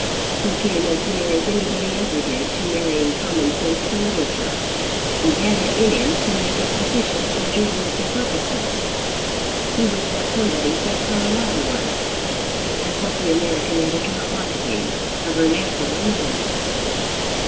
He came as near as anybody ever did to marrying common sense to literature: he had it in him to make it sufficient for journalistic purposes. He was what somebody said Carlyle was, and what the American editor ought to be, a vernacular man.